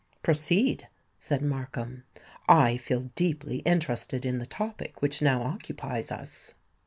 "Proceed," said Markham. "I feel deeply interested in the topic which now occupies us."